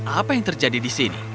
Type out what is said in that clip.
apa yang terjadi di sini